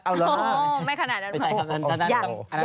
อ้าวเหรอไม่ขนาดนั้นหรออ๋อยัน